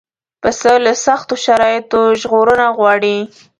پسه له سختو شرایطو ژغورنه غواړي.